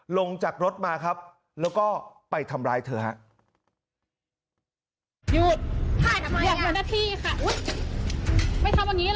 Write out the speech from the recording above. ลงจากรถมาครับแล้วก็ไปทำร้ายเธอครับ